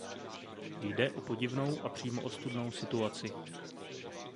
Jde o podivnou a přímo ostudnou situaci.